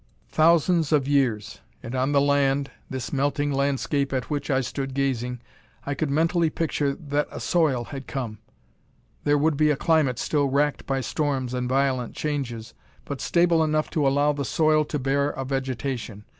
Thousands of years. And on the land this melting landscape at which I stood gazing I could mentally picture that a soil had come. There would be a climate still wracked by storms and violent changes, but stable enough to allow the soil to bear a vegetation.